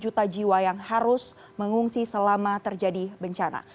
juta jiwa yang harus mengungsi selama terjadi bencana